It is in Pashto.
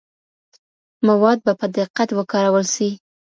مواد به په دقت وکارول سي.